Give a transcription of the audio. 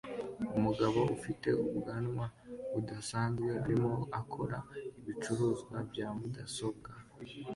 Umugabo ufite ubwanwa budasanzwe arimo akora ibicuruzwa bya mudasobwa